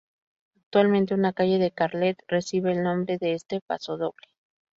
Actualmente una calle de Carlet recibe el nombre de este pasodoble.